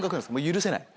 許せない？